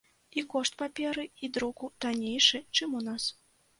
І кошт паперы і друку таннейшы, чым у нас.